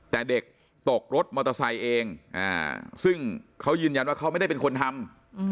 แต่เด็กตกรถมอเตอร์ไซค์เองซึ่งเขายืนยันว่าเขาไม่ได้เป็นคนทำ